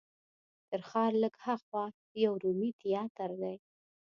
تر ښار لږ هاخوا یو رومي تیاتر دی.